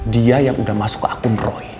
dia yang udah masuk ke akun rohi